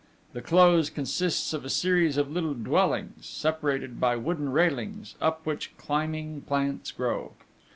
The Close consists of a series of little dwellings, separated by wooden railings, up which climbing plants grow.